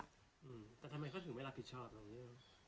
แต่ทำไมเขาถึงไม่รับผิดชอบเหรอ